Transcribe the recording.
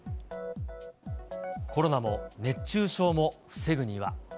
コロナも熱中症も防ぐには。